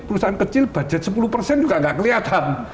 perusahaan kecil budget sepuluh persen juga nggak kelihatan